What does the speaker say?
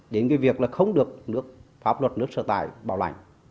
đến cái việc là không được nước pháp luật nước sở tại bảo lãnh